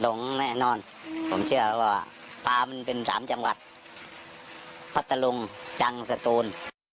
หลงแน่นอนผมเชื่อว่าปลามันเป็นสามจังหวัดพัทธลุงจังสตูน